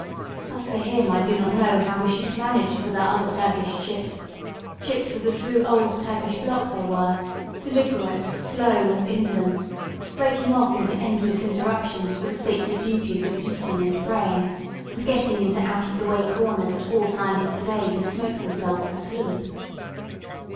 But for him I do not know how we should have managed with our other Turkish "chips" chips of the true old Turkish block they were deliberate, slow, and indolent, breaking off into endless interruptions for the sacred duties of eating and praying, and getting into out of the way corners at all times of the day to smoke themselves to sleep.